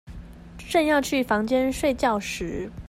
正要去房間睡覺時